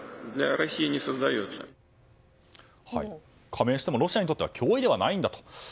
加盟してもロシアにとっては脅威ではないんだと。